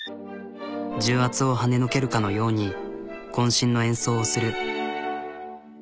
重圧をはねのけるかのようにこん身の演奏をする。